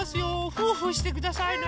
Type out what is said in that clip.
ふふしてくださいね。